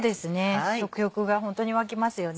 食欲がホントに湧きますよね。